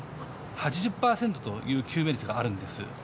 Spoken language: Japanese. ８０％という救命率があるんです。